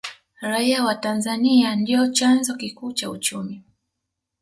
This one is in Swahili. raia wa tanzania ndiyo chanzo kikuu cha uchumi